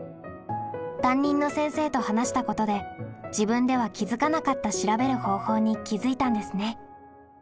担任の先生と話したことで自分では気づかなかった調べる方法に気づいたんですね。